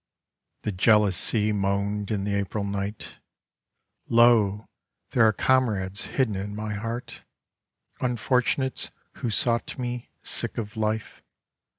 'TpHE jealous Sea moaned in the April night: •*•" Lo 1 there are comrades hidden in my hearty Unfortunates who sought me, sick of life.